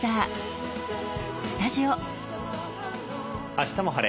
「あしたも晴れ！